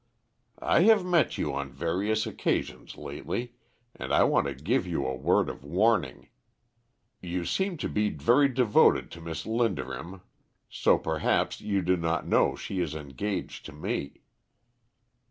"I have met you on various occasions lately, and I want to give you a word of warning. You seem to be very devoted to Miss Linderham, so perhaps you do not know she is engaged to me."